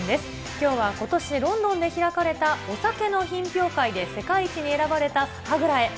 きょうはことしロンドンで開かれたお酒の品評会で世界一に選ばれた酒蔵へ。